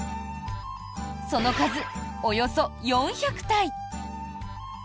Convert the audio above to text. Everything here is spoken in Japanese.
その数、およそ４００体。